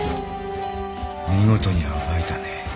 見事に暴いたね。